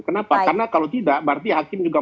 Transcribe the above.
kenapa karena kalau tidak berarti hakim juga